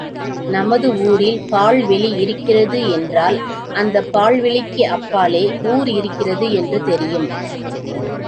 நமது ஊரில் பாழ் வெளி இருக்கிறது என்றால் அந்தப் பாழ் வெளிக்கு அப்பாலே ஊர் இருக்கிறது என்று தெரியும்.